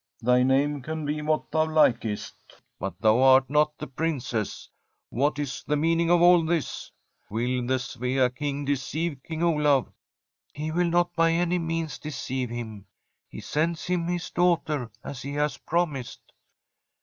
* Thy name can be what thou likest, but thou art not the Princess. What is the meaning of all this? Will the Svea King deceive King Olaf?' ' He will not by any means deceive him. He sends him his daughter as he has promised.'